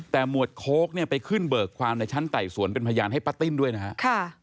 แต่หมวดโค้กเนี่ยไปขึ้นเบิกความในชั้นไต่สวนเป็นพยานให้ป้าติ้นด้วยนะครับ